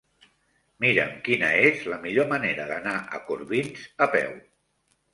Mira'm quina és la millor manera d'anar a Corbins a peu.